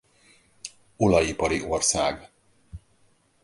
Olajipari ország.